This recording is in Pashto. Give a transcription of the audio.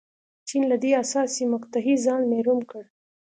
چین له دې حساسې مقطعې ځان محروم کړ.